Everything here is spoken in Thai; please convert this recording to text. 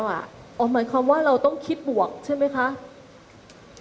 หมายความว่าเราต้องคิดบวกใช่ไหมคะ